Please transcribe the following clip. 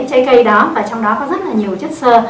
trái cây đó và trong đó có rất là nhiều chất sơ